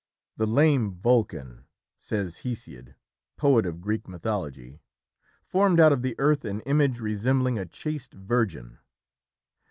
"The lame Vulcan," says Hesiod, poet of Greek mythology, "formed out of the earth an image resembling a chaste virgin.